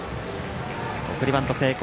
送りバント成功。